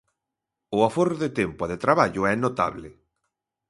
O aforro de tempo e de traballo é notable.